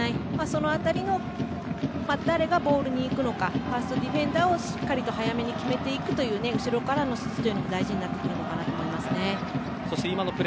その辺り、誰がボールに行くのかファーストディフェンダーをしっかり早めに決めていくという後ろからの指示も大事になってくるかと思います。